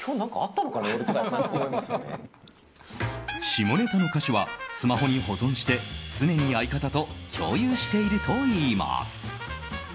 下ネタの歌詞はスマホに保存して常に相方と共有しているといいます。